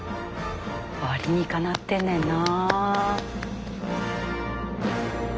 あ理にかなってんねんな。